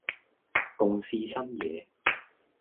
共試新嘢